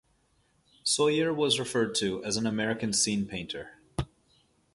Soyer was referred to as an American scene painter.